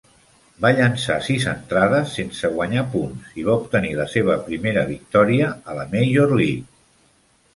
Va llençar sis entrades sense guanyar punts i va obtenir la seva primera victòria a la Major League.